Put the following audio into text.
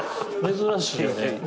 「珍しいよね」